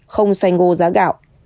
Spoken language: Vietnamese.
không xanh ngô giá gạo